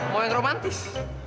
mau yang romantis